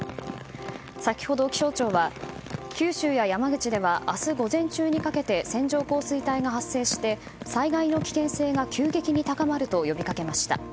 先ほど、気象庁は九州や山口では明日午前中にかけて線状降水帯が発生して災害の危険性が急激に高まると呼びかけました。